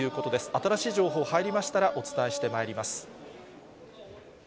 新しい情報、入りましたらお伝えしてまいります。